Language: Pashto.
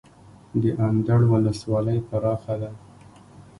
د اندړ ولسوالۍ پراخه ده